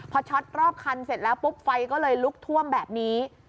พอช็อตรอบคันเสร็จแล้วปุ๊บไฟก็เลยลุกท่วมแบบนี้